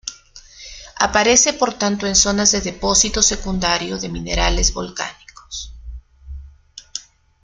Aparece por tanto en zonas de depósito secundario de minerales volcánicos.